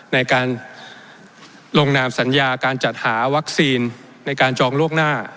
ในการลงนามสัญญาการจัดหาวัคซีนในการจองล่วงหน้า